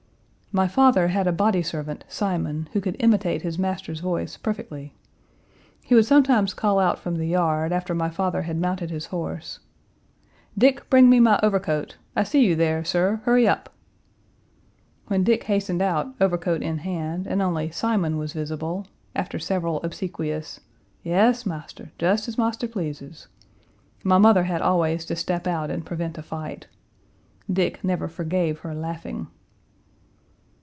My father had a body servant, Simon, who could imitate his master's voice perfectly. He would sometimes call out from the yard after my father had mounted his horse: "Dick, bring me my overcoat. I see you there, sir, hurry up." When Dick hastened out, overcoat in hand, and only Simon was visible, after several obsequious "Yes, marster; just as marster pleases," my mother had always to step out and prevent a fight. Dick never forgave her laughing.